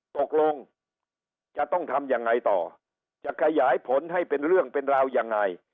ตกลงจะต้องทำยังไงต่อจะขยายผลให้เป็นเรื่องเป็นราวยังไง